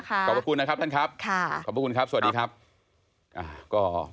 ค่ะขอบพระคุณท่านทูนค่ะขอบพระคุณนะคะสวัสดีครับค่ะ